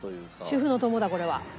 主婦の友だこれは。